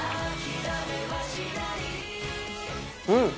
うん！